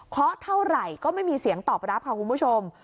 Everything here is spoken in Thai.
เท่าไหร่ก็ไม่มีเสียงตอบรับค่ะคุณผู้ชม